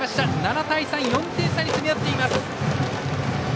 ７対３、４点差に詰め寄ってます。